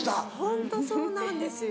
ホントそうなんですよ。